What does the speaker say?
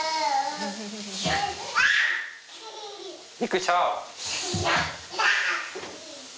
びっくりした！